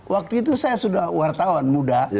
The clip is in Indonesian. waktu itu saya sudah wartawan muda